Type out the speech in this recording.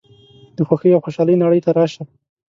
د خوښۍ او خوشحالۍ نړۍ ته راشه.